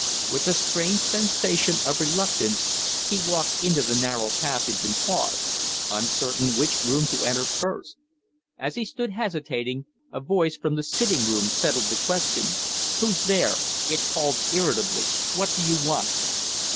With a strange sensation of reluctance he walked into the narrow passage and paused, uncertain which room to enter first. As he stood hesitating a voice from the sitting room settled the question. "Who's there?" it called, irritably. "What do you want?"